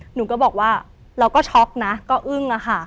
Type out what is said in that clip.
หนูก็บอกว่าเราก็ช็อกนะก็อึ้งอะค่ะ